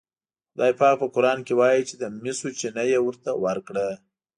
خدای پاک په قرآن کې وایي چې د مسو چینه یې ورته ورکړه.